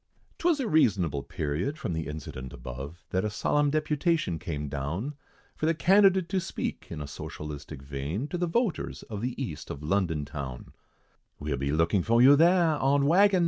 'Twas a reasonable period, from the incident above, That a solemn deputation came down, For the candidate to speak in a socialistic vein, To the voters of the east of London town: "We'll be looking for you there, on waggon No.